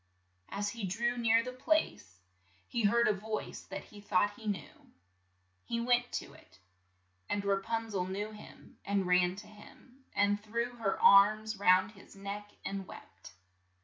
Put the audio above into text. As he drew near the place, he heard a voice that he thought he knew. He went to it, and Ra pun zel knew him, and ran to him, and threw her arms round his neck and wept.